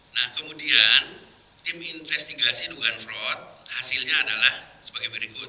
nah kemudian tim investigasi dugaan fraud hasilnya adalah sebagai berikut